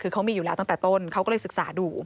คือเขามีอยู่แล้วตั้งแต่ต้นเขาก็เลยศึกษาดู